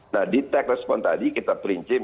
nah detect respon tadi kita perintahkan